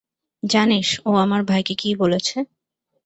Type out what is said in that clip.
জানিস ও আমার ভাইকে কী বলেছে?